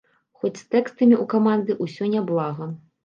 Хоць з тэкстамі ў каманды ўсё няблага.